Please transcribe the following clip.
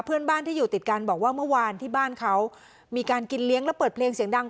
เพื่อนบ้านที่อยู่ติดกันบอกว่าเมื่อวานที่บ้านเขามีการกินเลี้ยงแล้วเปิดเพลงเสียงดัง